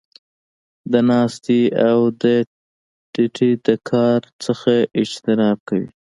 د ناستې او د ټيټې د کار نۀ اجتناب کوي -